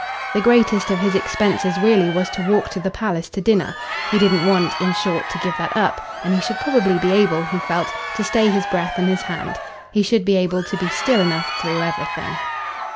The greatest of his expenses really was to walk to the palace to dinner. He didn't want, in short, to give that up, and he should probably be able, he felt, to stay his breath and his hand. He should be able to be still enough through everything.